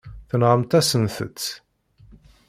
Tenɣamt-asent-tt.